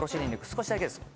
少しだけですよ